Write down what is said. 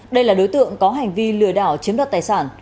đây là đối tượng có hành vi lừa đảo chiếm đoạt tài sản